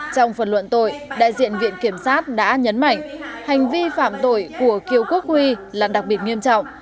trong phần luận tội đại diện viện kiểm sát đã nhấn mạnh hành vi phạm tội của kiều quốc huy là đặc biệt nghiêm trọng